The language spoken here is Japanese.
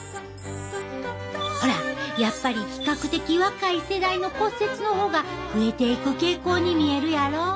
ほらやっぱり比較的若い世代の骨折の方が増えていく傾向に見えるやろ。